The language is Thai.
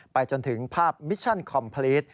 จนถึงภาพมิชชั่นคอมพลีต